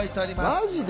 マジで？